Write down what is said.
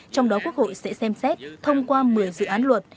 trong đó quốc hội sẽ xem xét thông qua một mươi dự án luật